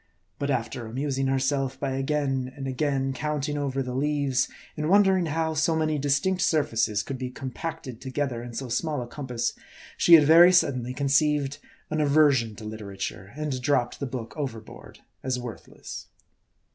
But after amusing herself by again and again count ing over the leaves, and wondering how so many distinct surfaces could be compacted together in so small a compass, she had very suddenly conceived an aversion to literature, and dropped the book overboard as worthless.